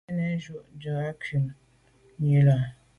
À ke njù à njon à ku’ num i là.